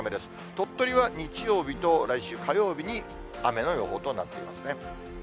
鳥取は日曜日と来週火曜日に雨の予報となっていますね。